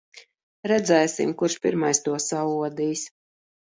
Redzēsim, kurš pirmais to saodīs.